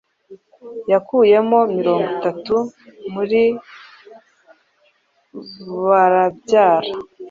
Yakuyemo mirongo itatu muri boarabarya